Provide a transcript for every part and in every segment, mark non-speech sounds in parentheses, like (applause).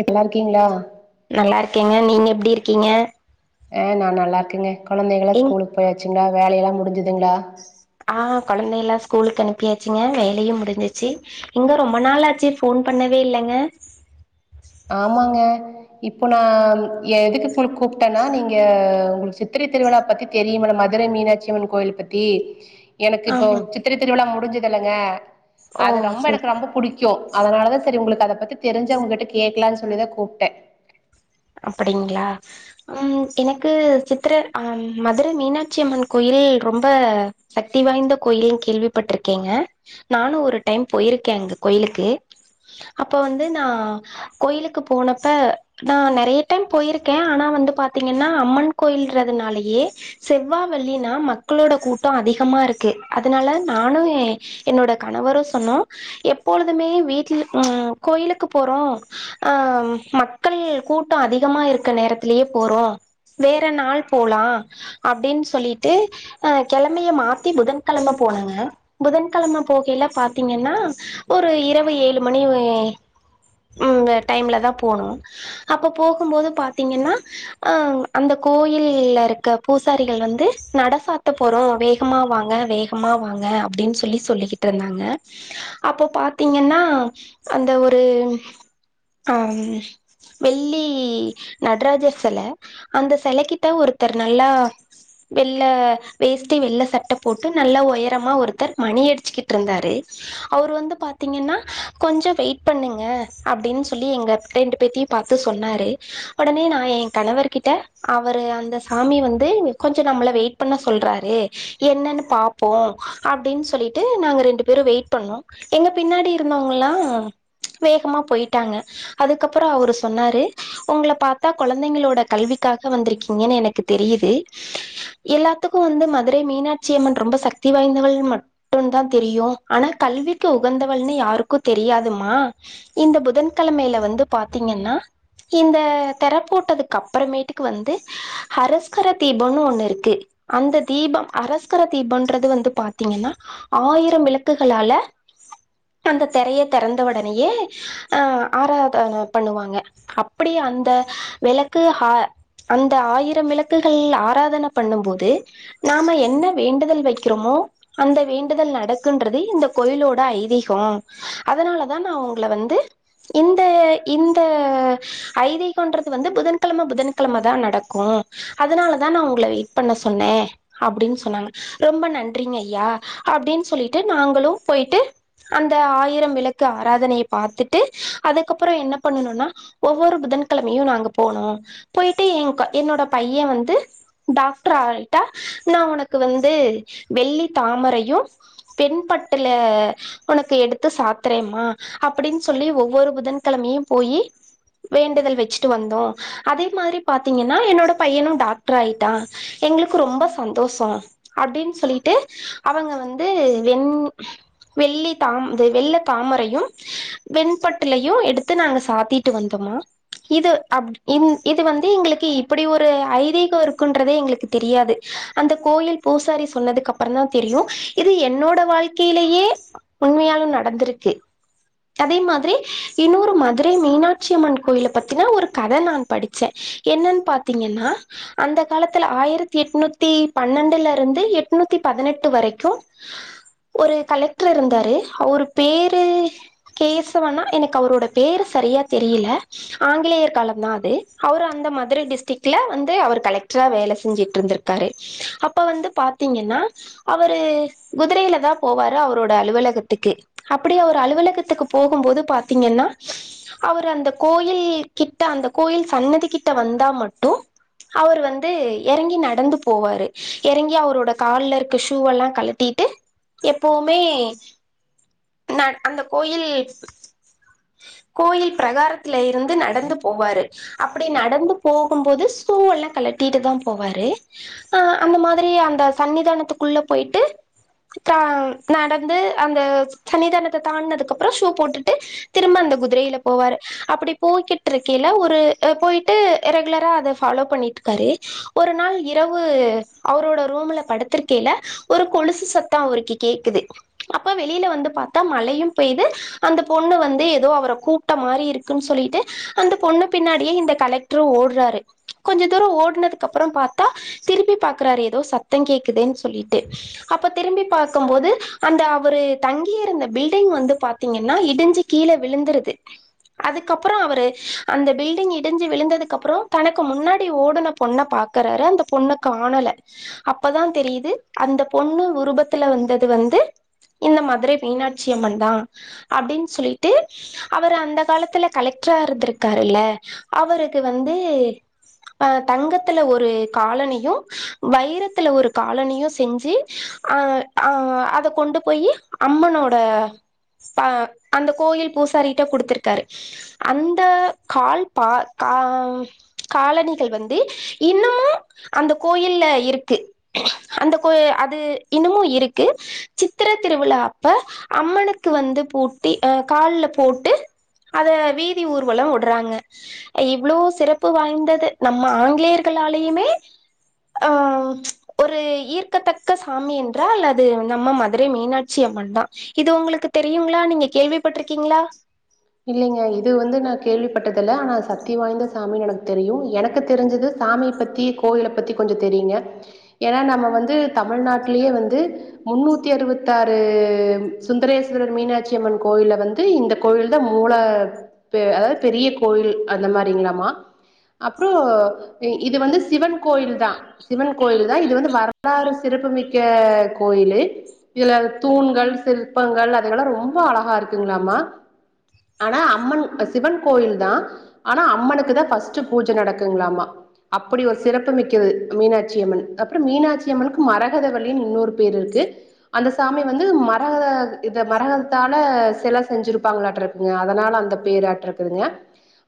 இப்பலா இருக்கீங்களா இருக்கீங்க நீங்க எப்டி இருக்கீங்க ஆ நா நல்லார்க்கேங்க கொழந்தைகள்லா எங் ஸ்கூலுக்க போயாச் (unintelligible) வேலயெல்லா முடிஞ்சதுங்ளா ஆ கொழந்த எல்லா ஸ்கூலுக்கு அனுப்பியாச்சுங்க வேலையூ முடிஞ்சிச்சு எங்க ரொம்ப நாாளாச்சு ஃபோன் பண்ணவே இல்லங்க ஆமாங்க இப்போ நா எதுக்கு குல் கூப்ட்டேனா நீங்க உங்ளுக்கு சித்திரை திருவிழா பத்தி தெரியும்ல மதுரை மீனாட்சியம்மன் கோயில் பத்தி எனக்கு இப்போ ஆமா சித்திரை திருவிழா முடிஞ்சுத் செலுங்க ஓ அது ரெம்ப சரி எனக் ரெம்ப புடிக் யோ அதனால தா செரி உங்களுக்கு அத பத்தி தெரிஞ்சா உங்கட்ட கேக்கலான் சொல்லிதா கூப்டே அப்பிடிங்களா ம் எனக்கு சித்திர அ மதுரை மீனாட்சி அம்மன் கோயில் ரொம்ப சக்தி வாய்ந்த கோயிலுன் கேள்விப்பட்ருக்கேங்க நானூ ஒரு டைம் போயிருக்கே அந்த கோயிலுக்கு அப்ப வந்து நா கோயிலுக்கு போனப்ப நா நெ நெறைய டைம் போயிருக்கே ஆனா வந்து பாத்தீங்கன்னா அம்மன் கோயில்றதுனாலயே செவ்வா வெள்ளினா மக்களோட கூட்டோ அதிகமா இருக்கு அதுனால நானு ஏ என்னோட கணவரு சொன்னோ எப்பொழுதுமே வீட்ல ம் கோயிலுக்கு போறோ அ மக்கள் கூட் டோ அதிகமா இருக்க நேரத்திலயே போறோ வேற நாள் போலா அப்டின் சொல்லிட்டு ஆ கெழமிய மாத்தி புதன்கெழம போனாங்க புதன்கெழம போகையில பாத்தீங்கன்னா ஒரு இரவு ஏழு மணி ம் டைம்ல தா போணூ அப்போ போகும்போது பாத்தீங்கன்னா அ அந்த கோயில்ல இருக்க பூசாரிகள் வந்து நட சாத்த போறோ வேகமா வாங்க வேகமா வாங்க அப்டின் சொல்லி சொல்லிக்கிட்டிருந்தாங்க அப்போ பாத்தீங்கன்னா அந்த ஒரு ஆ வெள்ளி நட்ராஜர் செல அந்த செலகிட்ட ஒருத்தர் நல்லா வெள்ள வேஸ்ட்டி வெள்ள சட்டை போட்டு நல்லா ஒயரமா ஒருத்தர் மணி அடுச்சுக்கிட் இருந்தாரு அவரு வந்து பாத்தீங்கன்னா கொஞ்ச வெயிட் பண்ணுங்க அப்டின்னு சொல்லி எங்க ரெண்டு பேத்தையு பாத்து சொன்னாரு ஒடனே நா என் கணவர்கிட்ட அவரு அந்த சாமி வந்து கொஞ்ச நம்மள வெயிட் பண்ண சொல்றாரு என்னன்னு பாப்போ அப்டின் சொல்லிட்டு நாங்க ரெண்டு பேரும் வெயிட் பண்ணோ எங்க பின்னாடி இருந்தவங்கல்லா வேகமா போய்ட்டாங்க அதுக்கப்பறோ அவரு சொன்னாரு ஒங்கள பாத்தா கொழந்தைங்களோட கல்விக்காக வந்திருக்கீங்கன்னு எனக்கு தெரியிது எல்லாத்துக்கும் வந்து மதுரை மீனாட்சி அம்மன் ரொம்ப சக்தி வாய்ந்தவள் மட்டுந் தா தெரியு ஆனா கல்விக்கு உகந்தவள்னு யாருக்கு தெரியாதுமா இந்த புதன்கெழமயில வந்து பாத்தீங்கன்னா இந்த தெர போட்டதுக்கப்புறமேட்டுக்கு வந்து ஹரஸ்கர தீபொன்னு ஒண்ணு இருக்கு அந்த தீபம் அஹஸ்கர தீபம்ன்றது வந்து பாத்தீங்கன்னா ஆயிரம் விளக்குகளால அந்த தெரைய தெறந்த ஒடனேயே அஹ் ஆராதன பண்ணுவாங்க அப்படி அந்த வெளக்கு ஆஹ அந்த ஆயிரம் விளக்குகள் ஆராதன பண்ணும்போது நாம என்ன வேண்டுதல் வெக்கிறோமோ அந்த வேண்டுதல் நடக்குன்றது இந்த கோயிலோட ஐதீகொ அதனாலதா நா உங்களை வந்து இந்த இந்த ஐதீகொன்றது வந்து புதன்கிழம புதன்கிழம தா நடக்கு அதனால தான் நான் உங்கள வெயிட் பண்ண சொன்னே அப்டின்னு சொன்னாங்க ரொம்ப நன்றிங்க ஐயா அப்டீன் சொல்லிட்டு நாங்களு போயிட்டு அந்த ஆயிரம் விளக்கு ஆராதனைய பாத்துட்டு அதுக்கப்புறொ என்ன பண்ணுனோன்னா ஒவ்வொரு புதன்கிழமையு நாங்க போனோ போயிட்டு என் என்னோட பைய வந்து டாக்டர் ஆய்ட்டா நா உனக்கு வந்து வெள்ளி தாமரையு பெண் பட்டுல உனக்கு எடுத்து சாத்துறேமா அப்டீன்னு சொல்லி ஒவ்வொரு புதன்கிழமையு போயி வேண்டுதல் வெச்சுட்டு வந்தோ அதே மாரி பாத்தீங்கன்னா என்னோட பையனு டாக்டர் ஆயிட்டா எங்ளுக்கு ரொம்ப சந்தோஷொ அப்படின் சொல்லிட்டு அவங்க வந்து வெண் வெள்ளி தாம் இது வெள்ள தாமரையு வெண்பட்டுலயு எடுத்து நாங்க சாத்தி ட்டு வந்தமா இது அப்டி இது வந்து எங்களுக்கு இப்படி ஒரு ஐதீகொ இருக்குன்றதே எங்களுக்கு தெரியாது அந்த கோயில் பூசாரி சொன்னதுக்கப்புறந்தா தெரியு இது என்னோட வாழ்க்கையிலேயே உண்மையாலும் நடந்திருக்கு அதே மாதிரி இன்னொரு மதுரை மீனாட்டு ச்சியம்மன் கோயில பத்தின ஒரு கத நா படிச்சே என்னன் பாத்தீங்கன்னா அந்த காலத்துல ஆயிரத்தி எட்நூத்தி பன்னெண்டுலருந்து எட்நூத்தி பதினெட்டு வரைக்கு ஒரு கலெக்டர் இருந்தாரு அவரு பேரு கேசவனா எனக்கு அவரோட பேரு சரியா தெரில ஆங்கிலேயர் காலந்தா அது அவரு அந்த மதுர டிஸ்டரிக்ல வந்து அவர் கலெக்டரா வேல செஞ்சுட்ருந்திருக்காரு அப்ப வந்து பாத்தீங்கன்னா அவரு குதிரைலதா போவாரு அவரோட அலுவலகத்துக்கு அப்படி அவர் அலுவலகத்துக்கு போகும் போது பாத்தீங்கன்னா அவர் அந்த கோயில் கிட்ட அந்த கோயில் சன்னதி கிட்ட வந்தா மட்டு அவரு வந்து எறங்கி நடந்து போவாரு எறங்கி அவரோட கால்ல இருக்க ஷூவெல்லா கழட்டிட்டு எப்பவுமே ந அந்த கோயில் கோயில் பிரகாரத்துல இருந்து நடந்து போவாரு அப்படி நடந்து போகும்போது சூவெல்லா கழட்டிட்டுதா போவாரு அஹ் அந்த மாதிரி அந்த சன்னிதானத்துக்குள்ள போய்ட்டுதா நடந்து அந்த சன்னிதானத்த தான்டுனதுக்கு அப்புறம் ஷூ போட்டுட்டு திரும்ப அந்த கு திரைல போவாரு அப்டி போய்கிட்ருக்கேல ஒரு போய்ட்டு ரெகுலரா அத ஃபாலோ பண்ணிட்டு இருக்காரு ஒரு நாள் இரவு அவரோட ரூம்ல படுத்திருக்கேல ஒரு கொலுசு சத்தோ அவருக்கு கேக்குது அப்ப வெளியில வந்து பாத்தா மழயு பெய்து அந்த பொண்ணு வந்து ஏதோ அவர கூப்ட மாதிரி இருக்குன் சொல்லீட்டு அந்த பொண்ணு பின்னாடியே இந்த கலெக்ட்ரு ஓடுறாரு கொஞ்ச தூரொ ஓடுனதுக்கு அப்புறொ பாத்தா திரும்பி பாக்குறாரு ஏதோ சத்தொ கேக்குதுன்னு சொல்லிட்டு அப்ப திரும்பி பார்க்க போது அந்த அவரு தங்கிய இருந்த பில்டிங் வந்து பாத்தீங்கன்னா இடிஞ்சு கீழ விழுந்துருது அதுக்கப்புறொ அவரு அந்த பில்டிங் இடிஞ்சு விழுந்ததுக்கப்புறொ தனக்கு முன்னாடி ஓடுன பொண்ண பாக்குறாரு அந்த பொண்ண காணல அப்பதா தெரியுது அந்த பொண்ணு உருவத்துல வந்தது வந்து இந்த மதுரை மீனாட்சி அம்மன்தா அப்படின்னு சொல்லிட்டு அவர் அந்த காலத்துல கலெக்டரா இருந்திருக்காரு இல்ல அவருக்கு வந்து அஹ தங்கத்துல ஒரு காலனியு வைரத்துல ஒரு காலனியு செஞ்சு அ அ அத கொண்டு போய் அம்மனோட அ அந்த கோயில் பூசாரி கிட்ட கொடுத்திருக்காரு அந்த கால் பா கா காலனிகள் வந்து இன்னமும் அந்த கோயில்ல இருக்கு அந்த அது இன்னமு இருக்கு சித்திர திருவிழா அப்ப அம்மனுக்கு வந்து பூட்டி ஹ கால்ல போட்டு அத வீதி ஊர்வலொ விடுறாங்க இவ்வளோ சிறப்பு வாய்ந்தது நம்ம ஆங்கிலேயர்களாலயுமே ஆஹ் ஒரு ஈர்க்கத்தக்க சாமி என்றால் அது நம்ம மதுரை மீனாட்சி அம்மன் தா இது உங்களுக்கு தெரியுங்களா நீங்க கேள்விப்பட்டிருக்கீங்களா இல்லீங்க இது வந்து நா கேள்விப்பட்டதில்ல ஆனா சத்தி வாய்ந்த சாமின்னு எனக்கு தெரியு எனக்கு தெரிஞ்சது சாமி பத்தி கோயில பத்தி கொஞ்சொ தெரியுங்க ஏன்னா நம்ம வந்து தமிழ்நாட்லயே வந்து முன்னூத்தி அறுபத்தாறு சுந்தரேஸ்வரர் மீனாட்சி அம்மன் கோயில்ல வந்து இந்த கோயில் மூல அதாவது பெரிய கோயில் அந்த மாரிங்களாமா அப்புறொ இது வந்து சிவன் கோயில்தா சிவன் கோயில் தா இது வந்து வரலாறு சிறப்புமிக்க கோயிலு இதுல தூண்கள் சிற்பங்கள் அதெல்லா ரொம்ப அழகா இருக்குங்களாமா ஆனா அம்மன் சிவன் கோயில்தா ஆனா அம்மனுக்குதா ஃபர்ஸ்ட் பூஜை நடக்குங்களாமா அப்படி ஒரு சிறப்பு மிக்கது மீனாட்சி அம்மன் அப்புறொ மீனாட்சி அம்மனுக்கு மரகத வள்ளின்னு இன்னொரு பேரு இருக்கு அந்த சாமி வந்து மரக இந்த மரகதத்தால செல செஞ்சிருப்பாங்களாட்றக் அதனால அந்த பேராட்றக்குதுங்க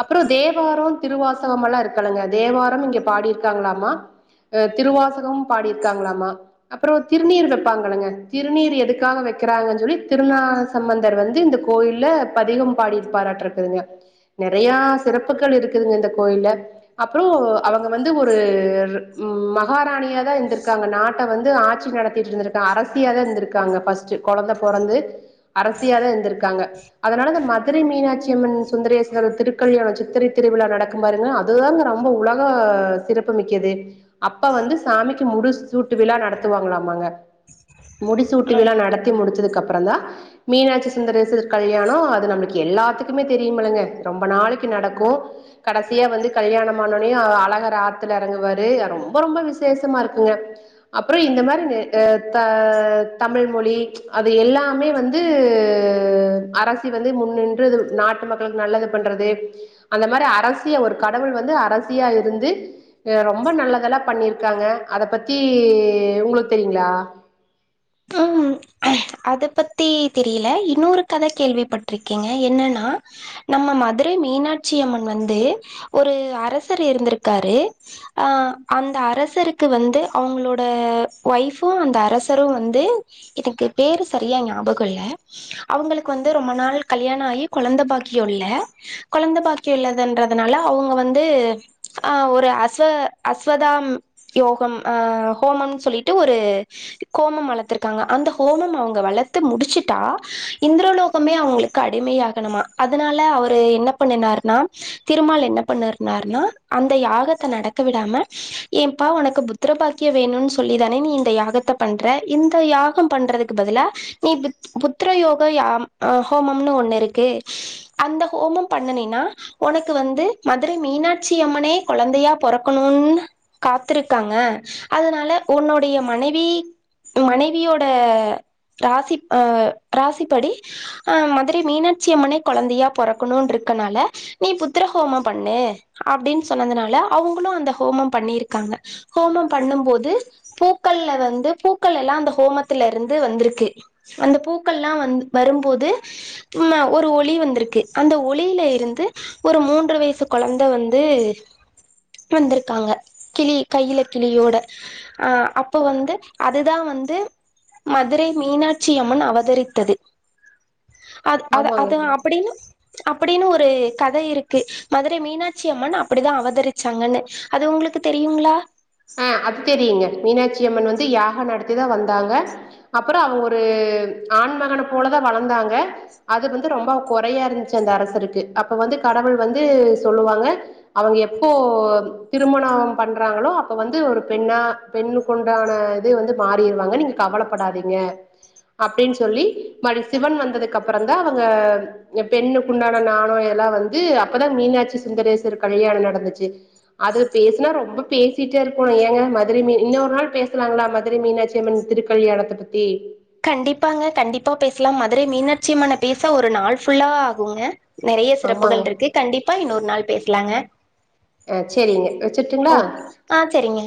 அப்புறொ தேவாரொ திருவாசகமெல்லா இருக்கலங்க தேவாரம் இங்க பாடிருக்காங்களாமா திருவாசகமு பாடியிருக்காங்களாமா அப்புறொ திருநீரு வெப்பாங்கங்கல்லங்க திருநீர் எதுக்காக வெக்கிறாங்கன் சொல்லி திருநா சம்பந்தர் வந்து இந்த கோயில்ல பதிகம் பாடிருப்பாராட்ருக்குதுங்க நெறையா சிறப்புகள் இருக்குதுங்க இந்த கோயில்ல அப்புறொ அவங்க வந்து ஒரு மகாராணியாதா இருந்திருக்காங்க நாட்ட வந்து ஆட்சி நடத்திட்ருந்திருக்காங்க அரசியாதா இருந்திருக்காங்க ஃபஸ்ட்டு கொழந்த பொறந்து அரசியாதா இருந்திருக்காங்க அதனால இந்த மதுரை மீனாட்சி அம்மன் சுந்தரேஸ்வரர் திருக்கல்யா சித்திரை திருவிழா நடக்கும் பாருங்கா அதுதாங்க ரொம்ப உலக சிறப்புமிக்கது அப்ப வந்து சாமிக்கு முடு சூட்டு விழா நடத்துவாங்களாமாங்க முடிசூட்டு விழா நடத்தி முடிச்சது க்கப்புறந்தா மீனாட்சி சுந்தரேசர் க ல்யாணொ அது நம்மளுக்கு எல்லாத்துக்குமே தெரியுமில்லங்க ரொம்ப நாளைக்கு நடக்கு கடைசியா வந்து கல்யாணமானோனே அழகராத்துல இறங்குவாரு அது ரொம்ப ரொம்ப விசேஷமா இருக்குங்க அப்புறொ இந்த மாரி த தமிழ்மொழி அது எல்லாமே வந்து அரசி வந்து முன்னின்று நாட்டு மக்களுக்கு நல்லது பண்றது அந்த மாரி அரசிய ஒரு கடவுள் வந்து அரசியா இருந்து ரொம்ப நல்லதெல்லா பண்ணியிருக்காங்க அத பத்தி உங்களுக்கு தெரியுங்களா ஹம் அத பத்தி தெரில இன்னொரு கத கேள்விப்பட்டிருக்கீங்க என்னன்னா நம்ம மதுரை மீனாட்சி அம்மன் வந்து ஒரு அரசர் இருந்திருக்காரு அஹ் அந்த அரசருக்கு வந்து அவங்களோட ஒய்ஃபு அந்த அரசரு வந் து எனக்கு பேரு சரியா ஞாபக இல்ல அவங்களுக்கு வந்து ரொம்ப நாள் கல்யாணொ ஆகி கொழந்த பாக்கியொ இல்ல கொழந்த பாக்கியொ இல்லேன்றதுனால அவங்க வந்து ஹ ஒரு அஸ அஸ்வதாம் யோகம் ஹோமம் சொல்லிட்டு ஒரு கோமம் வளத்து ருக்காங்க அந்த ஹோமம் அவங்க வளத்து முடிச்சுட்டா இந்திரலோகமே அவங்களுக்கு அடிமையாகணுமா அதனால அவரு என்ன பண்ணினாருனா திருமாள் என்ன பண்ணனாருனா அந்த யாகத்த நடக்க விடாம ஏம்ப்பா உனக்கு புத்திர பாக்கியொ வேணும்னு சொல்லி தான நீ இந்த யாகத்த பண்ற இந்த யாகம் பண்றதுக்கு பதிலா நீ புத் புத்தர யோக யாம் ஹோமம்னு ஒண்ணு இருக்கு அந்த ஹோமம் பண்ணுணீனா உனக்கு வந்து மதுரை மீனாட்சி அம்மனே கொழந்தையா பொறக்கணும்னு காத்துருக்காங்க அதனால உன்னுடைய மனைவி மனைவியோட ராசி அ ராசிப்படி அ மதுரை மீனாட்சி அம்மனே கொழந்தையா பொறக்கணும்ருக்கனால நீ புத்திரஹோமம் பண்ணு அப்படின்னு சொன்னதுனால அவங்களும் அந்த ஹோமம் பண்ணிருக்காங்க ஹோமம் பண்ணும்போது பூக்கள்ல வந்து பூ க்களெல்லா அந்த ஹோமத்துல இருந்து வந்திருக்கு அந்த பூக்கள்லா வரும்போது ஒரு ஒளி வந்திருக்கு அந்த ஒளில இருந்து ஒரு மூன்று வயசு கொழந்த வந்து வந்திருக்காங்க கிளி கைல கிளியோட ஆஹ் அப்ப வந்து அதுதா வந்து மதுரை மீனாட்சியம்மன் அவதரித்தது அத் அது ஆமாங்க அது அப்படின்னு அப்படின்னு ஒரு கதை இருக்கு மதுரை மீனாட்சி அம்மன் அப்படிதா அவதரிச்சாங்கன்னு அது உங்களுக்கு தெரியுங்களா ஆஹ் அது தெரியுங்க மீனாட்சி அம்மன் வந் து யாக நடத்திதா வந்தாங்க அப்புறொ அவங்க ஒரு ஆண்மகன போலதா வளந்தாங்க அது வந்து ரொம்ப கொறையா இருந்துச்சு அந்த அரசருக்கு அப்ப வந்து கடவுள் வந்து சொல்லுவாங்க அவங்க எப்போ திருமணொ பண்றாங்களோ வந்து ஒரு பெண்ணா பெண்ணுக்குண்டான இது வந்து மாறிருவாங்க நீங்க கவலப்படாதீங்க அப்டீன்னு சொல்லி மறுடி சிவன் வந்ததுக்கு அப்புறந்தா அவங்க பெண்ணுக்குண்டான நானொ எல்லா வந்து அப்பதா மீனாட்சி சுந்தரேசர் கல்யாணொ நடந்துச்சு அது பேசுனா ரொம்ப பே சிட்டே இருக்கோணு ஏங்க மதுரை மீன் இன்னொரு நாள் பேசலாங்களா மதுரை மீனாட்சியம்மன் திருக்கல்யாணத்தப் பத் கண்டிப்பாங்க கண்டிப்பா பேசலாம் மதுரை மீனாட்சி அம்மன பேச ஒரு நாள் ஃபுல்லா ஆகுங்க நெறைய ஆமாங்க சிறப்புகள் இருக்கு கண்டிப்பா இன்னொரு நாள் பேசலாங்க அஹ் சரிங்க வெச்சுட்டுங்களா ஓ ஆ சரிங்க